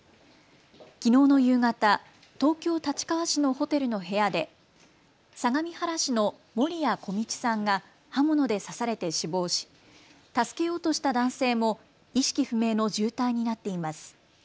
きのうの夕方、東京立川市のホテルの部屋で相模原市の守屋径さんが刃物で刺されて死亡し、助けようとした男性も意識不明の重体になっています。